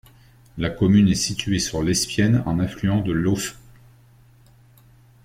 La commune est située sur l'Espienne un affluent de l'Aussoue.